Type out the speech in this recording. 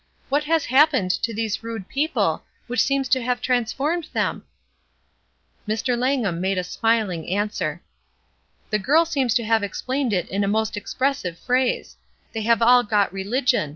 What has happened to these rude people which seems to have transformed them ?" Mr. Langham made smiling answer. "The girl seems to have explained it in a most expressive phrase; they have all 'got religion.'